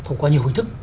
thông qua nhiều hình thức